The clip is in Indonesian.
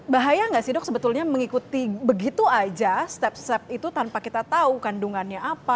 bahaya nggak sih dok sebetulnya mengikuti begitu aja step step itu tanpa kita tahu kandungannya apa